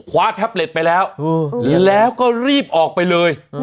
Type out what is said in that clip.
คว้าแท็บเล็ตไปแล้วอืมแล้วก็รีบออกไปเลยอืม